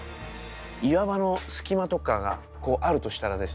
岩場の隙間とかがこうあるとしたらですね